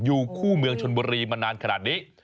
อยู่คู่เมืองชนบุรีมานานขนาดนี้